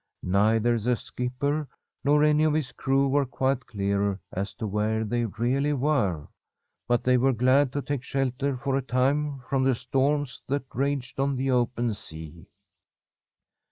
Neither the skipper nor any of his crew were quite clear as to where they really were, but they were glad to take shelter for a time from the storms that raged on the open sea.